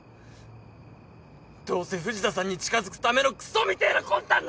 どうせ藤田さんに近づくためのクソみてえな魂胆だろ！